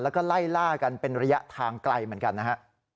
แล้วก็ไล่ล่ากันเป็นระยะทางไกลเหมือนกันนะฮะ